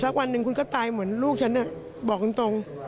วันหนึ่งคุณก็ตายเหมือนลูกฉันบอกตรง